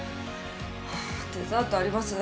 デザートあります？